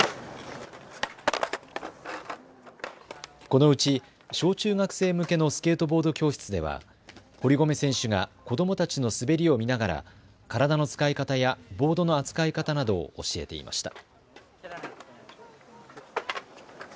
このうち小中学生向けのスケートボード教室では堀米選手が子どもたちの滑りを見ながら体の使い方やボードの扱い方などを教えていました。